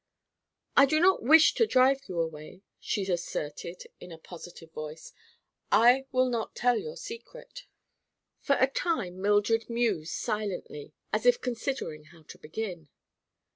"I do not wish to drive you away," she asserted in a positive voice. "I will not tell your secret." For a time Mildred mused silently, as if considering how to begin.